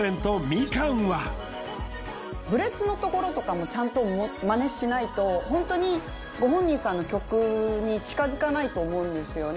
みかんはブレスのところとかもちゃんとマネしないとホントにご本人さんの曲に近づかないと思うんですよね